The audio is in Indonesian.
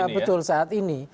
ya betul saat ini